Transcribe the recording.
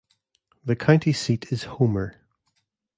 The county seat is Homer.